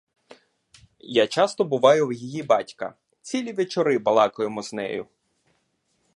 Я часто буваю в її батька, цілі вечори балакаємо з нею.